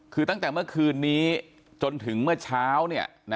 คือตั้งแต่เมื่อคืนนี้จนถึงเมื่อเช้า